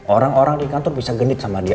orang orang di kantor bisa genit sama dia